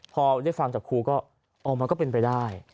พอได้ฟังจากครูก็ออกมาก็เป็นไปได้